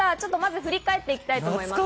振り返っていきたいと思います。